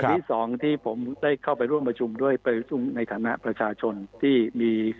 ที่สองที่ผมได้เข้าไปร่วมประชุมด้วยไปประชุมในฐานะประชาชนที่มี